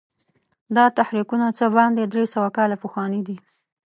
دا تحریکونه څه باندې درې سوه کاله پخواني دي.